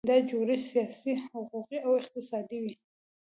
دا جوړښت سیاسي، حقوقي او اقتصادي وي.